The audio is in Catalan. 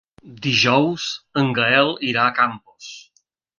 Dijous en Gaël irà a Campos.